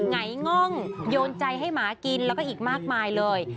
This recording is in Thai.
ไงง่องโยนใจให้หมากินแล้วก็อีกมากมายเลย